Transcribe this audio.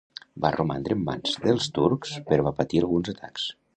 Va romandre en mans dels turcs però va patir alguns atacs.